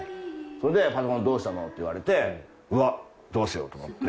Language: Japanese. それで「パソコンどうしたの？」って言われてうわっどうしようと思って。